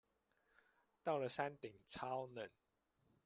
到了山頂超冷